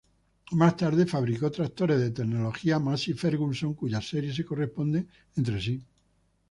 Más tarde fabricó tractores de tecnología Massey Ferguson, cuyas series se corresponden entre sí.